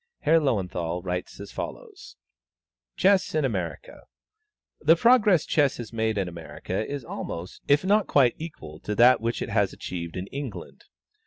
Herr Löwenthal writes as follows: "CHESS IN AMERICA. The progress Chess has made in America is almost, if not quite, equal to that which it has achieved in England.